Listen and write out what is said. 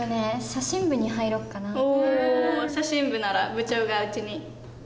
写真部なら部長がうちに。